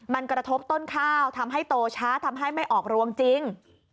มันกระทบต้นข้าวทำให้โตช้าทำให้ไม่ออกรวงจริง